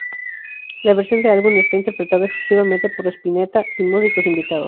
La versión del álbum está interpretada exclusivamente por Spinetta, sin músicos invitados.